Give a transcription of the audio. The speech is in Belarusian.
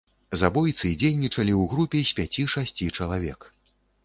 Забойцы дзейнічалі ў групе з пяці-шасці чалавек.